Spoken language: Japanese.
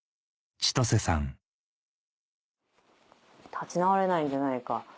立ち直れないんじゃないか。